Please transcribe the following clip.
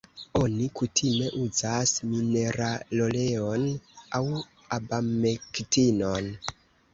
Oni kutime uzas mineraloleon aŭ abamektinon.